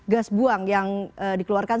gas buang yang dikeluarkan